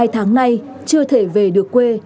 hai tháng nay chưa thể về được quê